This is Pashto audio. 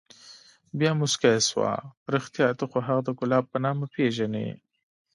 بيا موسكى سو اوه رښتيا ته خو هغه د ګلاب په نامه پېژنې.